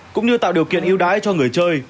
cũng như tạo điều kiện ưu đãi cho người chơi